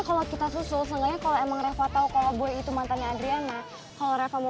kalau kita susul sebenarnya kalau emang reva tahu kalau gue itu mantannya adriana kalau reva mau